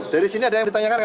dari sini ada yang ditanyakan